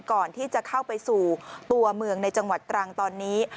ก่อนที่จะเข้าไปสู่ตัวเมืองในจังหวัดตรังตอนนี้